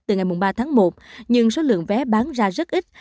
từ ngày ba tháng một nhưng số lượng vé bán ra rất ít